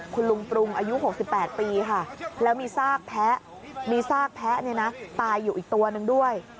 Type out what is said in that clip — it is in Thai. คุณลุงปรุงอายุ๖๘ปีค่ะแล้วมีซากแพ้มีซากแพ้ตายอยู่อีกตัวหนึ่งด้วย